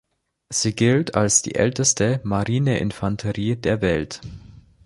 Sie gilt als die älteste Marineinfanterie der Welt.